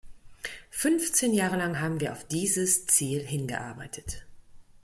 Fünfzehn Jahre lang haben wir auf dieses Ziel hingearbeitet.